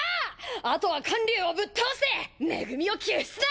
あとは観柳をぶっ倒して恵を救出だ！